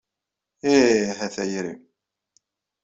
Ih, a tayri.